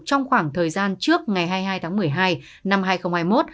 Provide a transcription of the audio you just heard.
trong khoảng thời gian trước ngày hai mươi hai tháng một mươi hai năm hai nghìn hai mươi một